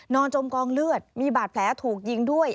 จมกองเลือดมีบาดแผลถูกยิงด้วย